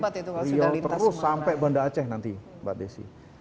terus sampai bandar aceh nanti